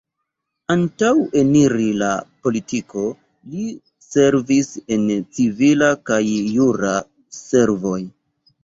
Antaŭ eniri en politiko, li servis en civila kaj jura servoj.